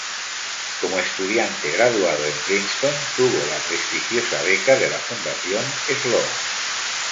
Como estudiante graduado en Princeton, tuvo la prestigiosa beca de la fundación Sloan.